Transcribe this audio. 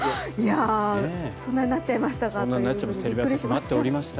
そんなになっちゃいましたかとびっくりしました。